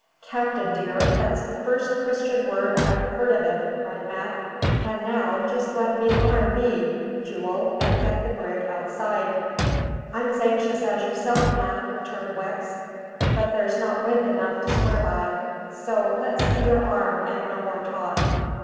"Captain dear, that's the first Christian word I've heard of ut!" cried Mac. "And now, just let me arrum be, jewel, and get the brig outside." "I'm as anxious as yourself, Mac," returned Wicks; "but there's not wind enough to swear by. So let's see your arm, and no more talk."